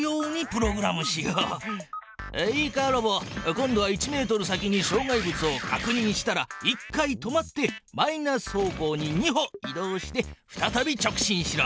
今度は１ｍ先にしょう害物をかくにんしたら１回止まってマイナス方向に２歩い動してふたたび直進しろ。